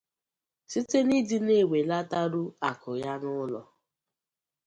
site n'ịdị na-ewelataru àkụ ya ụlọ.